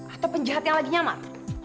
atau penjahat yang lagi nyaman